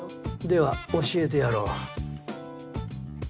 では教えてやろう。